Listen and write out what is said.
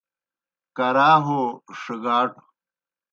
کرا ہو ݜِگاٹوْ